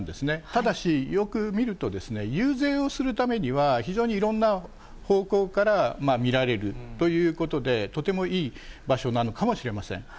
ただし、よく見ると、遊説をするためには、非常にいろんな方向から見られるということで、とてもいい場所なのかもしれません。